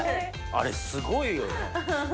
あれすごいよね。